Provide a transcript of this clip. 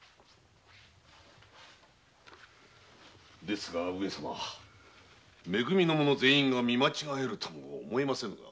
ですがめ組の者全員が見間違えるとは思えませぬが。